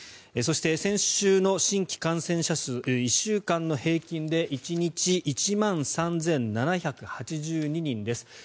そして、先週の新規感染者数１週間の平均で１日１万３７８２人です。